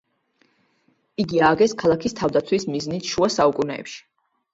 იგი ააგეს ქალაქის თავდაცვის მიზნით შუა საუკუნეებში.